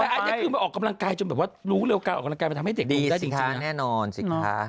เขาอาจจะคือไปออกกำลังกายจนแบบว่ารู้เลยว่ากำลังกายทำให้เจ้าหนูได้จริงนะ